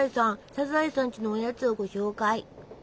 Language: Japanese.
サザエさんちのおやつをご紹介！